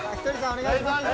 お願いします